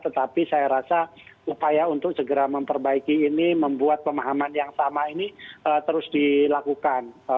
tetapi saya rasa upaya untuk segera memperbaiki ini membuat pemahaman yang sama ini terus dilakukan